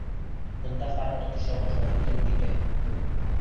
Бына ҡараңғы төшә башлай, төн етә.